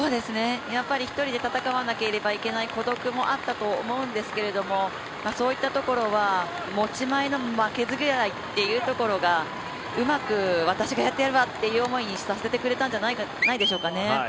やっぱり１人で戦わなければいけない孤独もあったと思うんですけれどもそういったところは持ち前の負けず嫌いというところがうまく、私がやってやるわという気持ちにさせてくれたんじゃないでしょうかね。